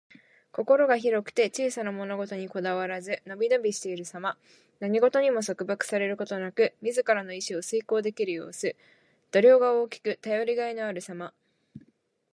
心が広くて小さな物事にこだわらず、のびのびしているさま。何事にも束縛されることなく、自らの意志を遂行できる様子。度量が大きく、頼りがいのあるさま。